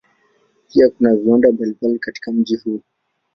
Pia kuna viwanda mbalimbali katika mji huo.